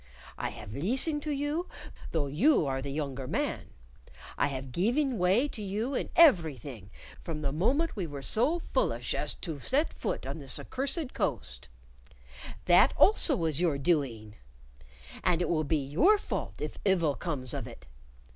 "I have leestened to you, though you are the younger man. I have geeven way to you in everything from the moment we were so fullish as to set foot on this accursed coast; that also was your doeeng; and it will be your fault if ivil comes of it.